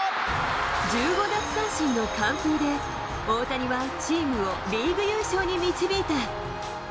１５奪三振の完封で、大谷はチームをリーグ優勝に導いた。